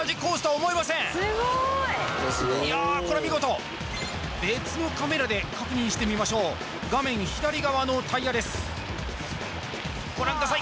これすごいいやあこれは見事別のカメラで確認してみましょう画面左側のタイヤですご覧ください